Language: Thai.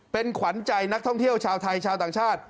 เป็นขวัญใจนักท่องเที่ยวชาวไทยชาวต่างชาติ